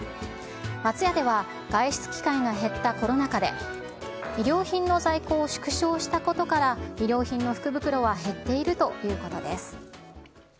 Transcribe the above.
松屋では、外出機会が減ったコロナ禍で、衣料品の在庫を縮小したことから、衣料品の福袋は減っているということです。